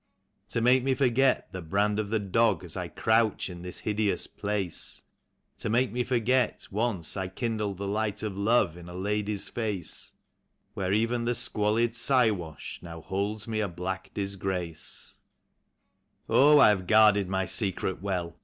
To make me forget the brand of the dog, as I crouch in this hideous place; To make me forget once I kindled the light of love in a lady's face, WTiere even the squalid Siwash now holds me a black disgrace. 56 TEE LOW DOWN WHITE. Oh, I have guarded my secret well